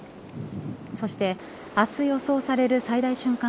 そして、明日予想される最大瞬間